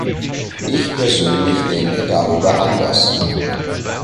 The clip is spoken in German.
Ich persönlich denke darüber anders.